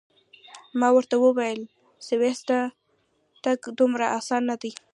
ما ورته وویل: سویس ته تګ دومره اسان نه دی.